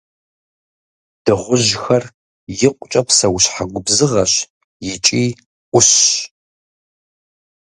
Дыгъужьхэр икъукӏэ псэущхьэ губзыгъэщ икӏи ӏущщ.